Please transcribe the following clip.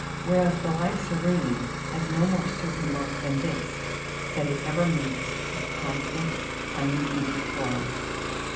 Whereas the life serene has no more certain mark than this, that it ever moves with constant unimpeded flow.